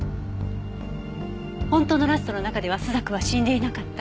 本当のラストの中では朱雀は死んでいなかった。